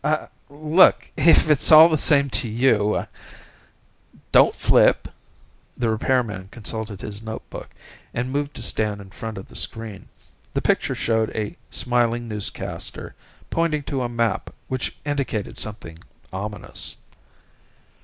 "Look, if it's all the same to you...." "Don't flip." The repairman consulted his notebook, and moved to stand in front of the screen. The picture showed a smiling newscaster, pointing to a map which indicated something ominous.